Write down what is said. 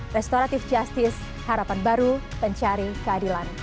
restoratif justice harapan baru pencari keadilan